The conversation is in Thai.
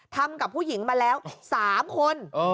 ทำกับผู้หญิงมาแล้ว๓คน